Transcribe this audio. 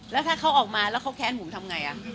แล้วถ้าเขาออกมาแล้วเขาแค้นผมทำไง